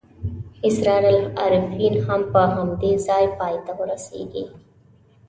اسرار العارفین هم په همدې ځای پای ته رسېږي.